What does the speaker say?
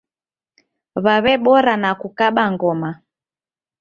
Waw'ebora na kukaba ngoma.